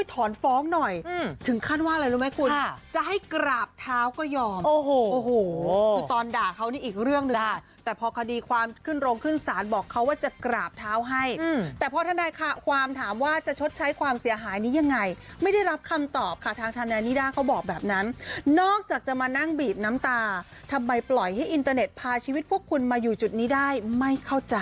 ถอนฟ้องหน่อยถึงขั้นว่าอะไรรู้ไหมคุณจะให้กราบเท้าก็ยอมโอ้โหคือตอนด่าเขานี่อีกเรื่องหนึ่งค่ะแต่พอคดีความขึ้นโรงขึ้นศาลบอกเขาว่าจะกราบเท้าให้แต่พอทนายความถามว่าจะชดใช้ความเสียหายนี้ยังไงไม่ได้รับคำตอบค่ะทางทนายนิด้าเขาบอกแบบนั้นนอกจากจะมานั่งบีบน้ำตาทำไมปล่อยให้อินเตอร์เน็ตพาชีวิตพวกคุณมาอยู่จุดนี้ได้ไม่เข้าใจ